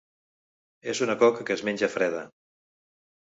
És una coca que es menja freda.